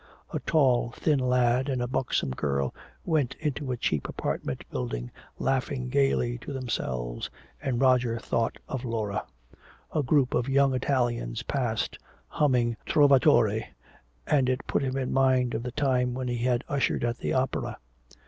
A tall thin lad and a buxom girl went into a cheap apartment building laughing gaily to themselves, and Roger thought of Laura. A group of young Italians passed, humming "Trovatore," and it put him in mind of the time when he had ushered at the opera.